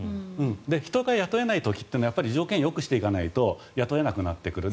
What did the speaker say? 人が雇えない時は条件をよくしていかないと雇えなくなってくる。